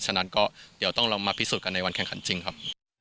ฉะนั้นก็เดี๋ยวต้องลองมาพิสูจนกันในวันแข่งขันจริงครับ